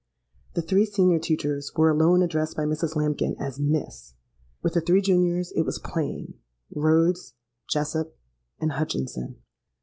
The three senior teachers were alone addressed by Mrs. Lambkin as Miss: with the three juniors it was plain Rhodes, Jessop, and Hutchinson.